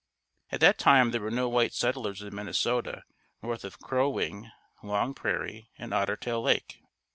At that time there were no white settlers in Minnesota north of Crow Wing, Long Prairie and Ottertail Lake.